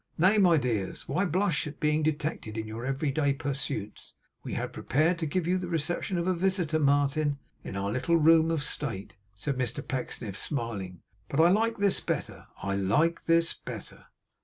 Nay, my dears, why blush at being detected in your everyday pursuits? We had prepared to give you the reception of a visitor, Martin, in our little room of state,' said Mr Pecksniff, smiling, 'but I like this better, I like this better!